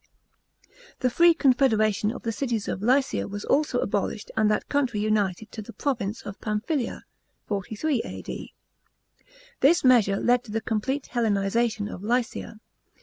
D.). The free confederation of the cities of Lycia was also abolished and that country united to the province of Pamphyiia (43 AD.). This measure led to the complete Hellenisa tion of Lycia.